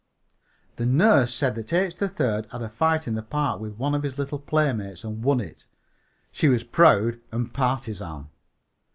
The nurse said that H. 3rd had a fight in the park with one of his little playmates and won it. She was proud and partisan.